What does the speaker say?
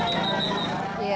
jangan jangan jangan